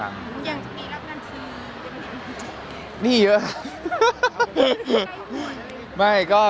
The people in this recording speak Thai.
อย่างนี้แล้วก็ัดการแล้วกัน